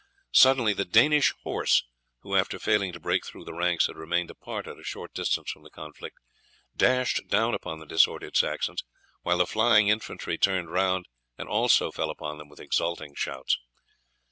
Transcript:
Suddenly the Danish horse, who after failing to break through the ranks had remained apart at a short distance from the conflict, dashed down upon the disordered Saxons, while the flying infantry turning round also fell upon them with exulting shouts.